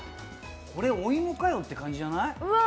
これ、お芋かよって感じじゃない？